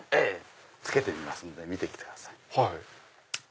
付けてみますので見てください。